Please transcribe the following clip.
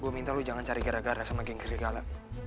gue minta lo jangan cari gara gara sama geng serigala